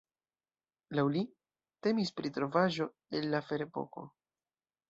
Laŭ li, temis pri trovaĵo el la ferepoko.